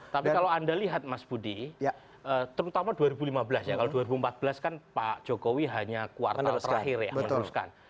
tapi kalau anda lihat mas budi terutama dua ribu lima belas ya kalau dua ribu empat belas kan pak jokowi hanya kuartal terakhir ya meneruskan